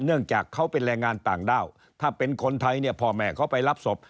เนื่องจากเขาเป็นแรงงานต่างด้าวถ้าเป็นคนไทยเนี่ยพ่อแม่เขาไปรับศพ